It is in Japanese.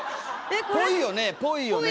ぽいよねぽいよね。